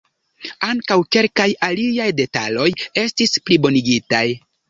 Ankaŭ kelkaj aliaj detaloj estis plibonigitaj.